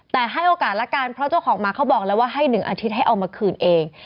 แต่ให้โอกาสละกันเพราะเจ้าของหมาเขาบอกแล้วว่าให้๑อาทิตย์ให้เอามาคืนเอง